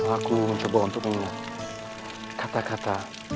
aku mencoba untuk menguat kata kata